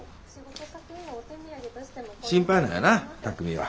心配なんよな巧海は。